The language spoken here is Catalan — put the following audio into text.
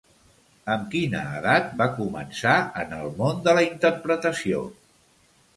Amb quina edat va començar en el món de la interpretació?